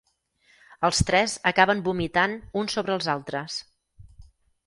Els tres acaben vomitant uns sobre els altres.